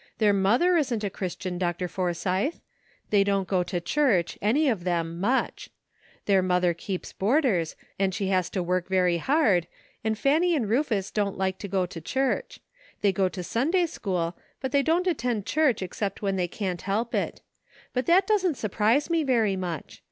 Their mother isn't a Christian, Dr. Forsythe ; they don't go to church, any of them, nuicli. Their mother keeps boarders, and she has to work very hard, and Fanny and Rufus don't like to go to church. They go to Sunday school, but they don't attend church except when they can't help it. But that doesn't surprise me very much.